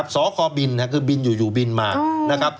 สอคอบินคือบินอยู่อยู่บินมา